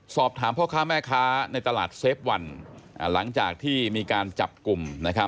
สอบถามพ่อค้าแม่ค้าในตลาดเซฟวันหลังจากที่มีการจับกลุ่ม